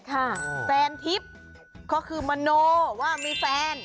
แฟนทิพย์ก็คือมโนว่ามีแฟน